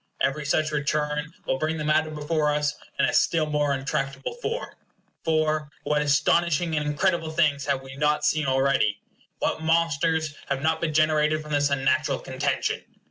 Every such return will bring the matter before us in a still more untractable form. For, what astonishing and incredible things have we not seen already! What monsters have not been generated from this unnatural contention!